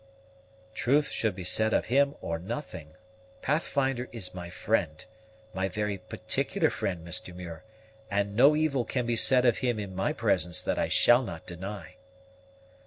"Truth should be said of him or nothing. Pathfinder is my friend my very particular friend, Mr. Muir, and no evil can be said of him in my presence that I shall not deny."